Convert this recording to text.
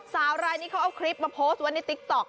สาวรายนี้เขาเอาคลิปมาโพสต์ไว้ในติ๊กต๊อก